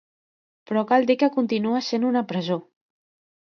Però cal dir que continua essent una presó.